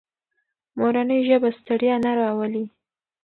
مورنۍ ژبه ستړیا نه راولي.